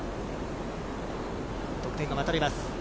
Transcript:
得点が待たれます。